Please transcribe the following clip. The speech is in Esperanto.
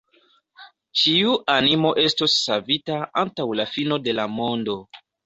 Ĉiu animo estos savita antaŭ la fino de la mondo.